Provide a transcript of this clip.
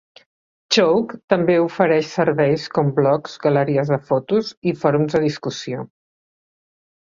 Chowk també ofereix serveis com blogs, galeries de fotos i fòrums de discussió.